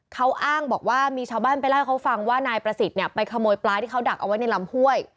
เขาอ้างบอกว่ามีชาวบ้านไปเล่าให้เขาฟังว่านายประสิทธิ์เนี่ยไปขโมยปลาที่เขาดักเอาไว้ในลำห้วย